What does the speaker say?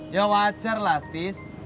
ya wajar lah tis